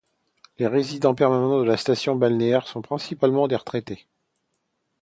Les résidents permanents de la station balnéaire sont principalement des retraités.